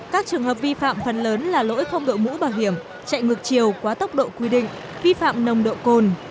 các trường hợp vi phạm phần lớn là lỗi không đội mũ bảo hiểm chạy ngược chiều quá tốc độ quy định vi phạm nồng độ cồn